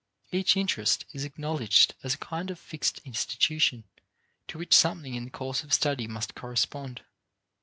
Each interest is acknowledged as a kind of fixed institution to which something in the course of study must correspond.